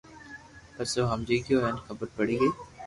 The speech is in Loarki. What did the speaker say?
پسي او ھمجي گيو ھين خبر پڙي گئي